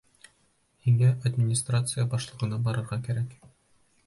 Һиңә администрация башлығына барырға кәрәк...